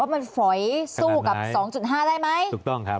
ว่ามันฝอยสู้กับ๒๕ได้ไหมถูกต้องครับ